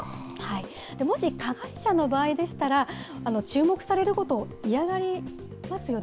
もし加害者の場合でしたら、注目されることを嫌がりますよね。